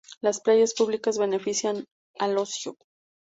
las playas públicas benefician al ocio